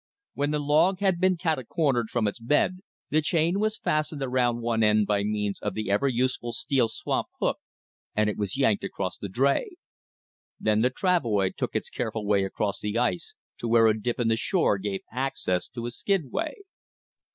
When the log had been cat a cornered from its bed, the chain was fastened around one end by means of the ever useful steel swamp hook, and it was yanked across the dray. Then the travoy took its careful way across the ice to where a dip in the shore gave access to a skidway.